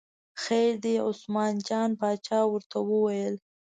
خیر دی، عثمان جان باچا ورته وویل.